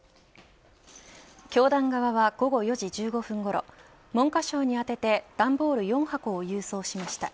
教団側は午後４時１５分ごろ文科省に宛てて段ボール４箱を郵送しました。